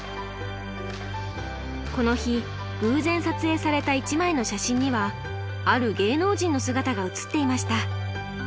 この日偶然撮影された１枚の写真にはある芸能人の姿が写っていました。